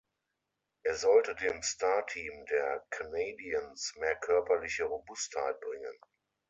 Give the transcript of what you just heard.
Er sollte dem Star-Team der Canadiens mehr körperliche Robustheit bringen.